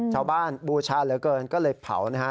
ชาวบ้านบูชาเหลือเกินก็เลยเผานะฮะ